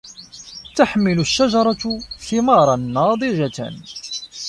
تَحْمِلُ الشجرةُ ثِمارًا نَاضِجَةً.